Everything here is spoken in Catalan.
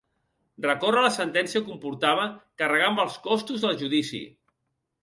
Recórrer la sentència comportava carregar amb els costos del judici